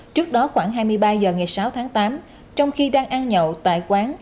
trước đó khoảng hai mươi ba h ngày sáu tháng tám trong khi đang ăn nhậu tại quán